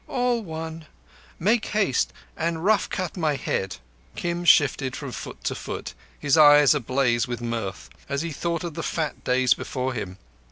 "All one. Make haste and rough cut my head." Kim shifted from foot to foot, his eyes ablaze with mirth as he thought of the fat days before him.